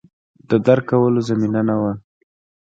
د درک کولو زمینه نه وه